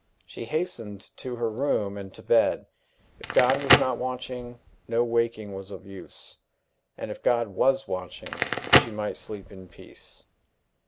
She hastened to her room, and to bed. If God was not watching, no waking was of use; and if God was watching, she might sleep in peace.